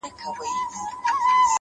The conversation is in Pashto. گلاب جانانه ته مي مه هېروه’